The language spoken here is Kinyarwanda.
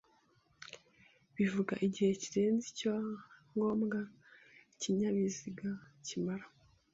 bivuga igihe kirenze icya ngombwa ikinyabiziga kimara